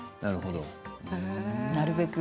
なるほど。